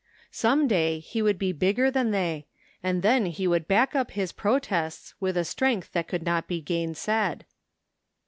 Some day he would be bigger than they, and then he would back up his pro tests with a strength that could not be gainsaid.